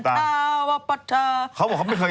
ดูเป็นดาราเกาหลีเลย